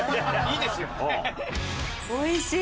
いいですよね。